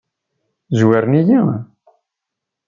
Zwaren-iyi?